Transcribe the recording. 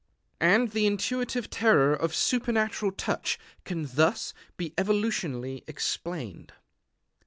And the intuitive terror of supernatural touch can thus be evolutionally explained.